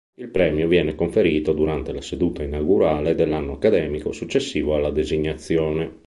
Il premio viene conferito durante la seduta inaugurale dell'anno accademico successivo alla designazione.